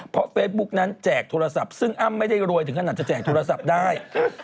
เพราะเฟซบุ๊กนั้นแจกโทรศัพท์ซึ่งอ้ำไม่ได้รวยถึงขนาดจะแจกโทรศัพท์ได้